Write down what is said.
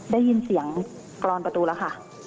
ได้ยินเสียงกรอนประตูแล้วค่ะ